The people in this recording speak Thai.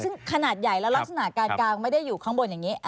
ซึ่งขนาดใหญ่แล้วลักษณะการกางไม่ได้อยู่ข้างบนอย่างนี้